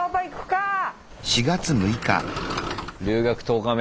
留学１０日目。